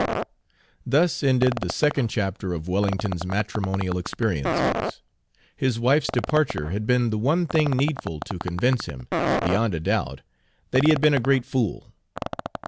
Thus ended the second chapter of Wellington's matrimonial experiences. His wife's departure had been the one thing needful to convince him, beyond a doubt, that he had been a great fool.